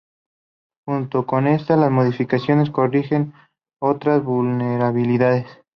Junto con esta, las modificaciones corrigen otras vulnerabilidades.